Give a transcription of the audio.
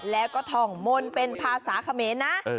แล้วก็ท่องมนต์เป็นภาษาเขมรนะ